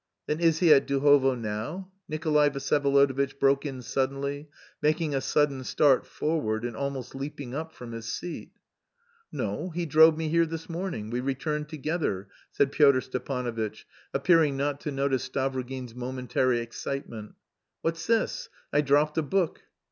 "Then is he at Duhovo now?" Nikolay Vsyevolodovitch broke in suddenly, making a sudden start forward and almost leaping up from his seat. "No, he drove me here this morning, we returned together," said Pyotr Stepanovitch, appearing not to notice Stavrogin's momentary excitement. "What's this? I dropped a book."